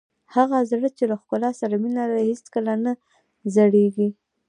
هغه زړه چې له ښکلا سره مینه لري هېڅکله نه زړیږي.